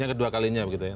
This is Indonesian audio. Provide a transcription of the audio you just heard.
yang kedua kalinya begitu ya